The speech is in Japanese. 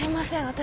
私。